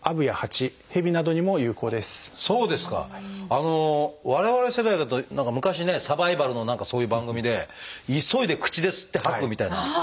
あの我々世代だと何か昔ねサバイバルの何かそういう番組で急いで口で吸って吐くみたいな。